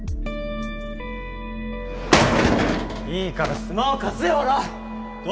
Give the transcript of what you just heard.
・いいからスマホ貸せよおらっ！